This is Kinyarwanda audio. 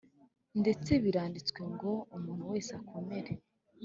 Ndetse biranditswe ngo umuntu wese akomere